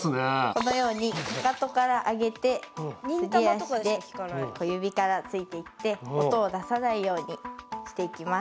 このように踵から上げてすり足で小指からついていって音を出さないようにしていきます。